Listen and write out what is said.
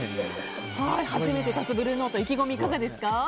初めて立つブルーノート意気込みいかがですか？